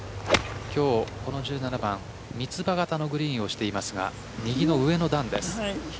今日この１７番三つ葉型のグリーンをしていますが右の上の段です。